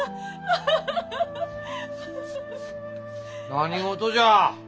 何事じゃ？